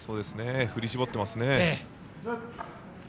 振り絞っていますね。